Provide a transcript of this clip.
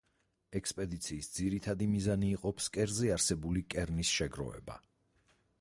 ექსპედიციის ძირითადი მიზანი იყო ფსკერზე არსებული კერნის შეგროვება.